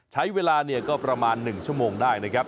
ใช้เวลาก็ประมาณ๑ชั่วโมงได้